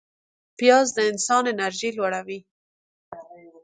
پیاز د انسان انرژي لوړوي